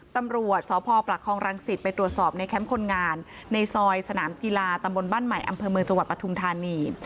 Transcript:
ตำรวจสพประคองรังสิตไปตรวจสอบในแคมป์คนงานในซอยสนามกีฬาตำบลบ้านใหม่อำเภอเมืองจังหวัดปทุมธานี